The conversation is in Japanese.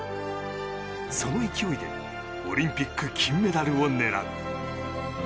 その勢いでオリンピック金メダルを狙う。